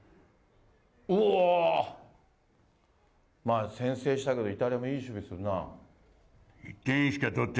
うぉー、まあ先制したけど、イタリアもいい守備すんな。